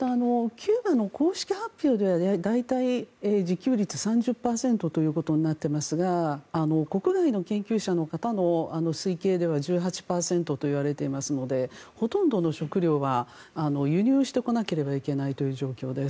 キューバの公式発表では大体、自給率３０％ということになっていますが国外の研究者の方の推計では１８％といわれていますのでほとんどの食料が輸入してこなければいけないという状況です。